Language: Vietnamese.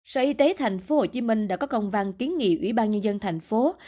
sở y tế tp hcm đã có công văn kiến nghị ủy ban nhân dân tp hcm